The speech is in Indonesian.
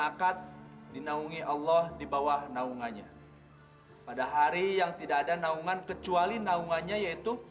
akad dinaungi allah di bawah naungannya pada hari yang tidak ada naungan kecuali naungannya yaitu